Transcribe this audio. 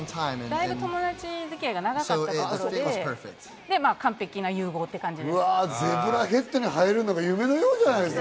だいぶ友達付き合いが長かったので、完璧な融合という感じです。